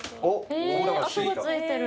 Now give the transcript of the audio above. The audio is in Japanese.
え跡がついてる。